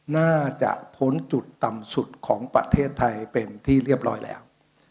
น่าจะพ้นจุดต่ำสุดของประเทศไทยเป็นที่เรียบร้อยแล้ว